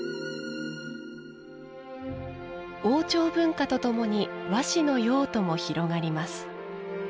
王朝文化とともに和紙の用途も広がります。